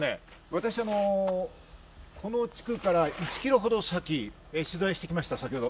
私、この地区から１キロほど先、取材してきました、先ほど。